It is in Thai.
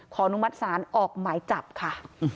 นุมัติศาลออกหมายจับค่ะ